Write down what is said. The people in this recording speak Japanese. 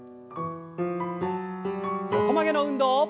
横曲げの運動。